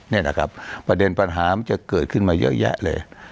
นี่นะครับประเด็นปัญหามันจะเกิดขึ้นมาเยอะแยะเลย